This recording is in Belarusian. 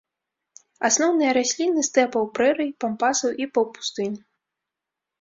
Асноўныя расліны стэпаў, прэрый, пампасаў і паўпустынь.